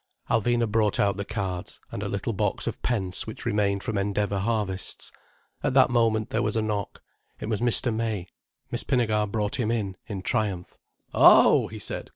Alvina brought out the cards, and a little box of pence which remained from Endeavour harvests. At that moment there was a knock. It was Mr. May. Miss Pinnegar brought him in, in triumph. "Oh!" he said.